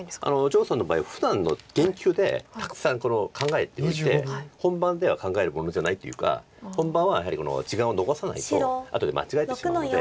張栩さんの場合ふだんの研究でたくさん考えておいて本番では考えるものじゃないというか本番はやはり時間を残さないと後で間違えてしまうので。